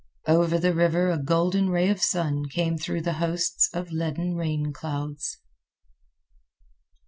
Over the river a golden ray of sun came through the hosts of leaden rain clouds.